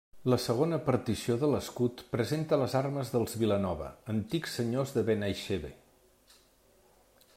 La segona partició de l'escut presenta les armes dels Vilanova, antics senyors de Benaixeve.